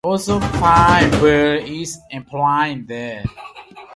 He also finds Bill is employed there.